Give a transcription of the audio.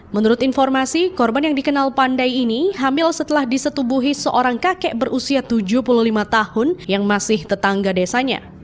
menurut informasi korban yang dikenal pandai ini hamil setelah disetubuhi seorang kakek berusia tujuh puluh lima tahun yang masih tetangga desanya